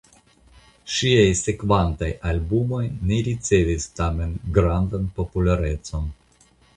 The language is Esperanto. Ŝiaj sekvantaj albumoj ne ricevis tamen grandan popularecon.